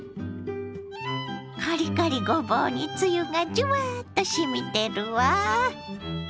カリカリごぼうにつゆがジュワッとしみてるわ。